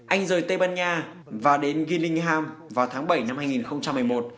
anh rời tây ban nha và đến gillingham vào tháng bảy năm hai nghìn một mươi một